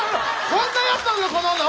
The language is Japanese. こんなやつなのかこの女。